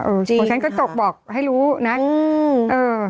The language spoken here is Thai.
จริงค่ะจริงค่ะผมฉันก็ตกบอกให้รู้นะเออ